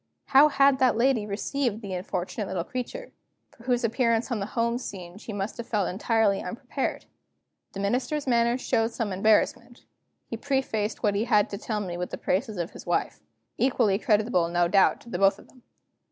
How had that lady received the unfortunate little creature, for whose appearance on the home scene she must have been entirely unprepared? The Minister's manner showed some embarrassment; he prefaced what he had to tell me with praises of his wife, equally creditable no doubt to both of them.